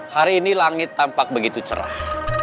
hari ini langit tampak begitu cerah